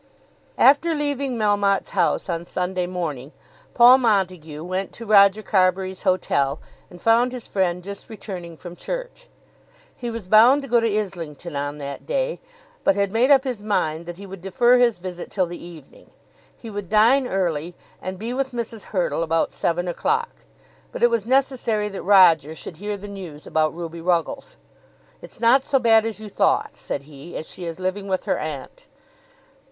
After leaving Melmotte's house on Sunday morning Paul Montague went to Roger Carbury's hotel and found his friend just returning from church. He was bound to go to Islington on that day, but had made up his mind that he would defer his visit till the evening. He would dine early and be with Mrs. Hurtle about seven o'clock. But it was necessary that Roger should hear the news about Ruby Ruggles. "It's not so bad as you thought," said he, "as she is living with her aunt."